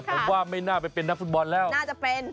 ผมว่าไม่น่าไปเป็นนักฟุตบอลแล้วน่าจะเป็น